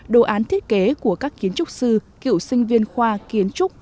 đồ án thiết kế của các kiến trúc sư cựu sinh viên khoa kiến trúc